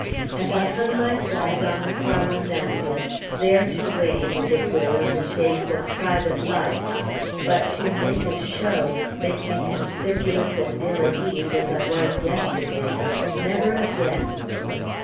And I hung my flag on the parlor mantel, there to wave, if it will, in the shades of private life; but to make a show, make me conspicuous and ill at ease, as I was yesterday, never again!